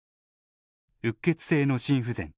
うっ血性の心不全。